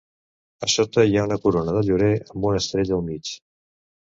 A sota hi ha una corona de llorer amb una estrella al mig.